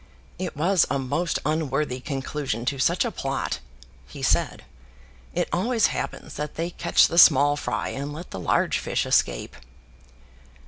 "It was a most unworthy conclusion to such a plot," he said. "It always happens that they catch the small fry, and let the large fish escape."